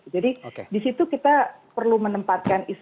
jadi di situ kita perlu menempatkan